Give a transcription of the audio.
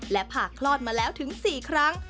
และผ่าคลอดมาแล้วถึง๔ครั้ง